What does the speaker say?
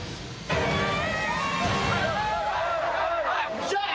よっしゃー！